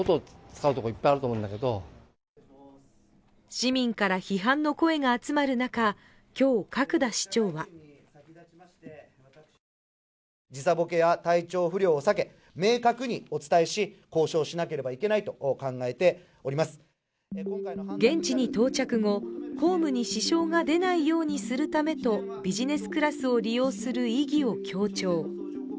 市民から批判の声が集まる中、今日、角田市長は現地に到着後、公務に支障が出ないようにするためとビジネスクラスを利用する意義を強調。